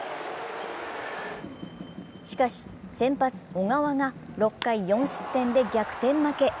しかし、先発・小川が６回４失点で逆転負け。